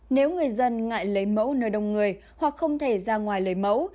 nếu người dân ngại lấy mẫu nơi đông người hoặc không thể ra ngoài lấy mẫu